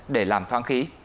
để làm thoáng khí